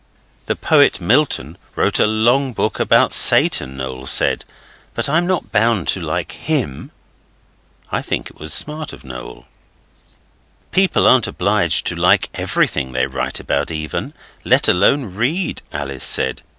'The poet Milton wrote a long book about Satan,' Noel said, 'but I'm not bound to like HIM.' I think it was smart of Noel. 'People aren't obliged to like everything they write about even, let alone read,' Alice said.